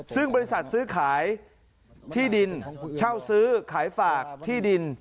ซึ่งบริษัทซื้อขายที่ดินเช่าซื้อขายฝากที่ดิน